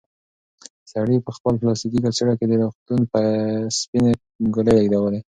سړي په خپل پلاستیکي کڅوړه کې د روغتون سپینې ګولۍ لېږدولې.